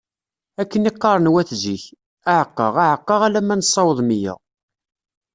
Akken i t-qqaren wat zik:Aɛeqqa, aɛeqqa alamma nessaweḍ meyya.